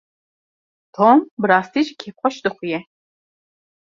Tom bi rastî jî kêfxweş dixuye.